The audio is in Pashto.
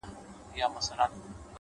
• په یوه کتاب څوک نه ملا کېږي ,